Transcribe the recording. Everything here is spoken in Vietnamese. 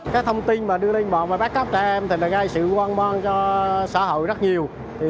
các thông tin mà đưa lên bọn bắt cóc trẻ em thì gây sự quan mong cho xã hội rất nhiều